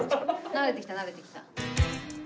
慣れてきた慣れてきた。